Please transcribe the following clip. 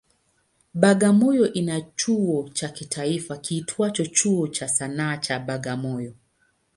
Bagamoyo ina chuo cha kitaifa kiitwacho Chuo cha Sanaa cha Bagamoyo.